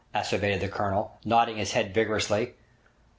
asseverated the Colonel, nodding his head vigorously.